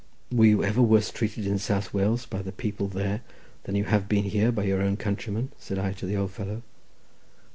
"Were you ever worse treated in South Wales by the people there than you have been here by your own countrymen?" said I to the old fellow.